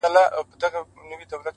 لوړ فکر د بدلون بنسټ ږدي.!